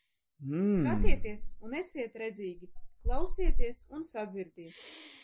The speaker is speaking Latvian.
Skatieties un esiet redzīgi, klausieties un sadzirdiet!